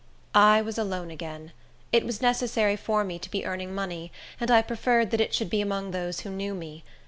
I was alone again. It was necessary for me to be earning money, and I preferred that it should be among those who knew me.